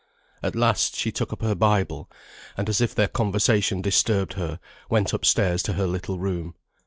At last she took up her Bible, and as if their conversation disturbed her, went up stairs to her little room.